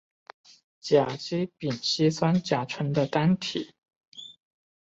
甲基丙烯酸甲酯的单体。